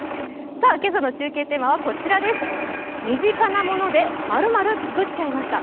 今朝の中継テーマは身近なもので○○作っちゃいました。